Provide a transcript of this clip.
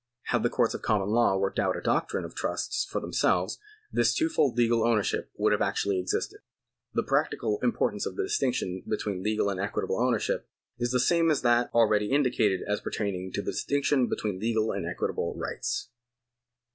Had the courts of common law worked out a doctrine of trusts for themselves, this twofold legal ownership would have actually existed. The practical importance of the distinction between legal and equitable ownership is the same as that already indicated as pertaining to the distinction between legal and equitable rights.